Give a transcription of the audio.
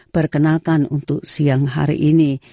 perkenalkan untuk siang hari ini